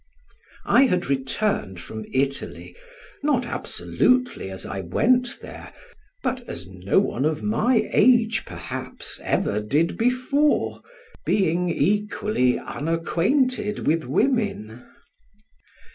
I had returned from Italy, not absolutely as I went there, but as no one of my age, perhaps, ever did before, being equally unacquainted with women.